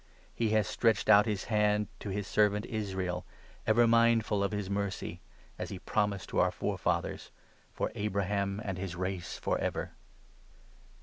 He has stretched out his hand to his servant Israel, 54 Ever mindful of his mercy (As he promised to our forefathers) 55 For Abraham and his race for ever."